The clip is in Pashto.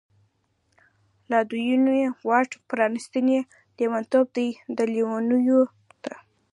لادوینو واټ پرانستی، لیونتوب دی لیونو ته